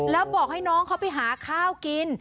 แล้วบอกให้น้องเขาไปหาข้าวกิน